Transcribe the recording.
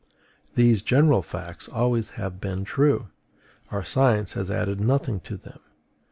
These general facts always have been true; our science has added nothing to them.